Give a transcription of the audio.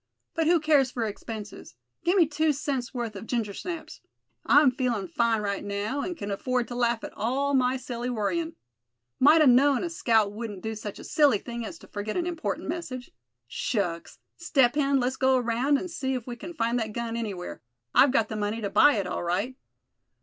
But who cares for expenses; gimme two cents' worth of gingersnaps? I'm feelin' fine right now', and c'n afford to laugh at all my silly worryin'. Might a known a scout wouldn't do such a silly thing as to forget an important message. Shucks! Step Hen, let's go around and see if we can find that gun anywhere. I've got the money to buy it all right."